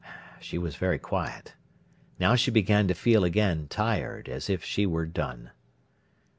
She was very quiet. Now she began to feel again tired, as if she were done.